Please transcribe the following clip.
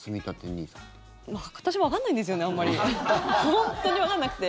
本当にわかんなくて。